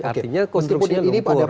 artinya konstruksinya lumpur